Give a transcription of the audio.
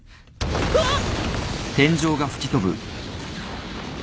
うわっ！